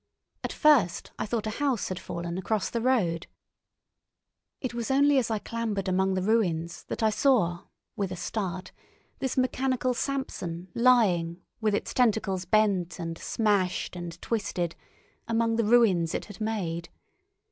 At first I thought a house had fallen across the road. It was only as I clambered among the ruins that I saw, with a start, this mechanical Samson lying, with its tentacles bent and smashed and twisted, among the ruins it had made.